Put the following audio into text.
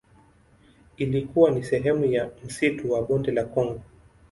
Ilikuwa ni sehemu ya msitu wa Bonde la Kongo.